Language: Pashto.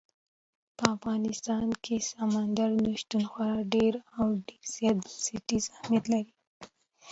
په افغانستان کې سمندر نه شتون خورا ډېر او ډېر زیات بنسټیز اهمیت لري.